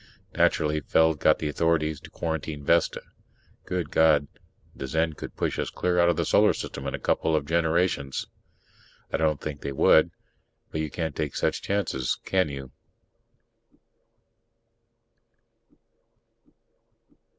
Naturally, Feld got the authorities to quarantine Vesta. Good God, the Zen could push us clear out of the Solar System in a couple of generations! I don't think they would, but you can't take such chances, can you?